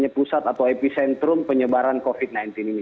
pusat atau epicentrum penyebaran covid sembilan belas ini